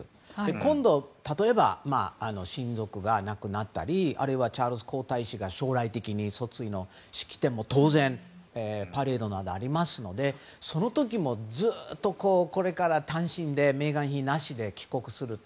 今度、例えば親族が亡くなったりあるいはチャールズ皇太子が将来的には即位の式典などのパレードなどもありますのでそういう時も単身でメーガン妃なしで帰国すると。